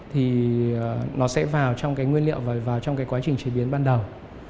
thì nó sẽ vào trong cái nguyên liệu và vào trong cái quá trình chế biến ban đầu